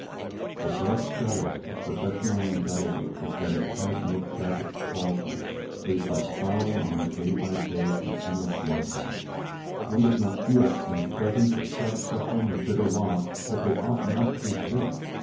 The dark shadow of professional anxiety is that it has no tragic quality; it is like ploughing on day by day through endless mud flats. One does not feel, in the presence of sharp suffering or bitter loss, that they ought not to exist.